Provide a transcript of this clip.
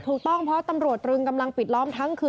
ถูกต้องเพราะตำรวจตรึงกำลังปิดล้อมทั้งคืน